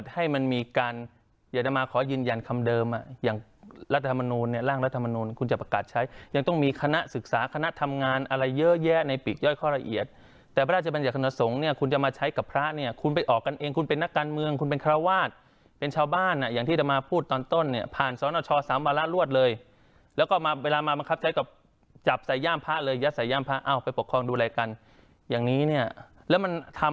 หลวงพี่อาจจะเป็นพระเนรที่ออกมากับผู้ชมมุมแล้วพระเนรที่ออกมากับผู้ชมมุมแล้วพระเนรที่ออกมากับผู้ชมมุมแล้วพระเนรที่ออกมากับผู้ชมมุมแล้วพระเนรที่ออกมากับผู้ชมมุมแล้วพระเนรที่ออกมากับผู้ชมมุมแล้วพระเนรที่ออกมากับผู้ชมมุมแล้วพระเนรที่ออกมากับผู้ชมมุมแล้วพระเนรที่ออกมากับผู้ชมมุมแล้วพ